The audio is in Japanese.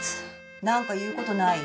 何か言うことない？